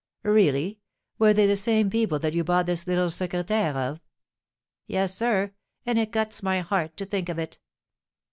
"Really! Were they the same people that you bought this little secrétaire of?" "Yes, sir; and it cuts my heart to think of it!